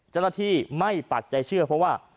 เจ้าหน้าที่ไม่ปักใจเชื่อเพราะว่า